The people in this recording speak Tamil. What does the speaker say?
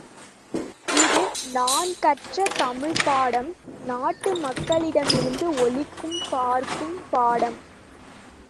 இது நான் கற்ற தமிழ்ப் பாடம் நாட்டு மக்களிடமிருந்து ஒளிக்கும் பார்க்கும் பாடம்.